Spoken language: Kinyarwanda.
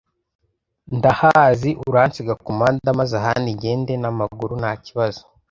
ndahazi, uransiga kumuhanda maze ahandi ngende namaguru ntakibazo